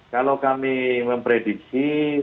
kalau kami memprediksi pasangan ganjar itu masih berlaku